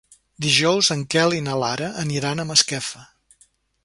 Dijous en Quel i na Lara aniran a Masquefa.